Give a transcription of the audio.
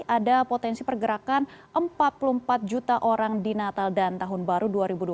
ada potensi pergerakan empat puluh empat juta orang di natal dan tahun baru dua ribu dua puluh